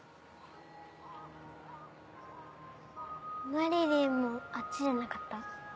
まりりんもあっちじゃなかった？